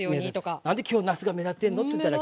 何で今日なすが目立ってんのって言ったら。